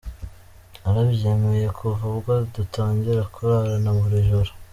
Yarabyemeye kuva ubwo dutangira kurarana buri joro.